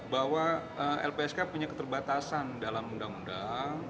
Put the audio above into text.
bahwa lpsk punya keterbatasan dalam undang undang